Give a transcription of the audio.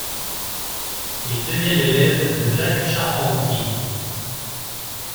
Il devient l'élève de Jacques Charpentier.